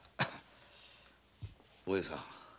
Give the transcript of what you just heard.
お葉さん